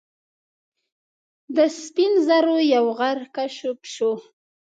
د سپین زرو یو غر کشف شو.